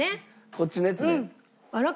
こっちのやつね。